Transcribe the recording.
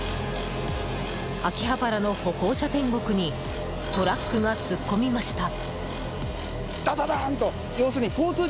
秋葉原の歩行者天国にトラックが突っ込みました。